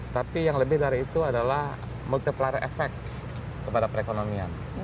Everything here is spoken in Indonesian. tapi yang lebih dari itu adalah multiplier effect kepada perekonomian